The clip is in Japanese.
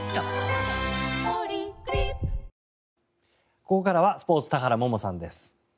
ここからはスポーツ田原萌々さんです。